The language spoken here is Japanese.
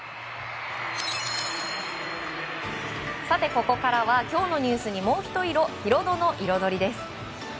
ここからは今日のニュースにもうひと色ヒロドのイロドリです。